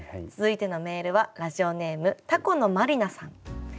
続いてのメールはラジオネームたこの真理奈さん。